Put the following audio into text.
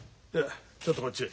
ちょっとこっちへ。